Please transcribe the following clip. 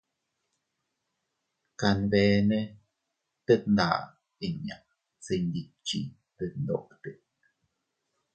Kanbene tet nda inña se iyndikchiy detndote.